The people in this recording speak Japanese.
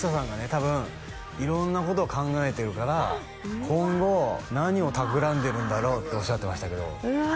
多分色んなことを考えてるから今後何を企んでるんだろうっておっしゃってましたけどうわ